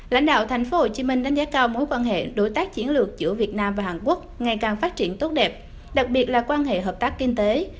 lãnh đạo tp hcm đánh giá cao mối quan hệ đối tác chiến lược giữa việt nam và hàn quốc ngày càng phát triển tốt đẹp đặc biệt là quan hệ hợp tác kinh tế